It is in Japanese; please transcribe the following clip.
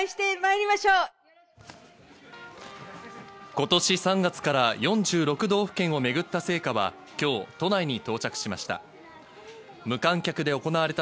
今年３月から４６道府県を巡った聖火は今日、都内に到着しました。